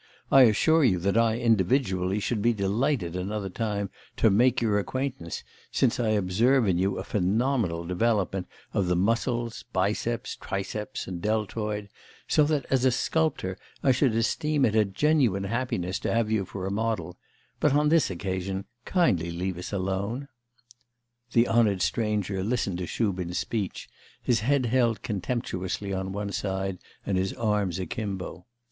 I assure you that I individually should be delighted another time to make your acquaintance, since I observe in you a phenomenal development of the muscles, biceps, triceps and deltoid, so that, as a sculptor, I should esteem it a genuine happiness to have you for a model; but on this occasion kindly leave us alone.' The 'honoured stranger' listened to Shubin's speech, his head held contemptuously on one side and his arms akimbo.